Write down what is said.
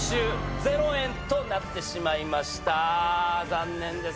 ０円となってしまいました残念ですが。